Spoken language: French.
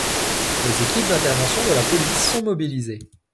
Les équipes d'intervention de la police sont mobilisées.